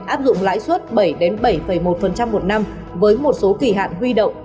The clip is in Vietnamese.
áp dụng lãi suất bảy bảy một một năm với một số kỳ hạn huy động